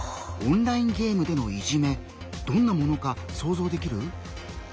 オンラインゲームでのいじめどんなものか想像できる？